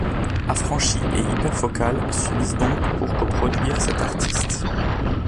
Affranchis et Hyper Focal s'unissent donc pour coproduire cet artiste.